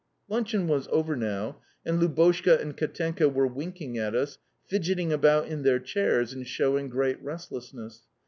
Luncheon was over now, and Lubotshka and Katenka were winking at us, fidgeting about in their chairs, and showing great restlessness.